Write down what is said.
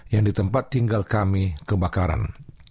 yang di tempat tinggal kami kebakaran